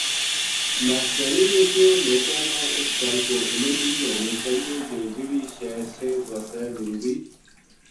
ماشٹریانی نے کہیو لوکاں نا اس گل کو علم بھی ہونو چاہیے جے جہڑی شے صحت وس ضروری